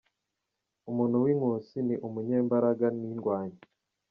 Umuntu w’inkusi ni umunyembaraga, ni indwanyi.